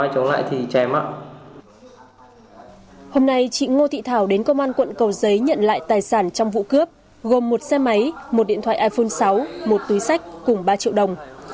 hôm nay chị ngô thị thảo đến công an quận cầu giấy nhận lại tài sản trong vụ cướp gồm một xe máy một điện thoại iphone sáu một túi sách cùng ba triệu đồng